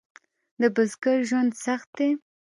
د بزګر ژوند سخت دی؟